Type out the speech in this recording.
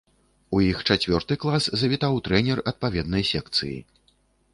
У іх чацвёрты клас завітаў трэнер адпаведнай секцыі.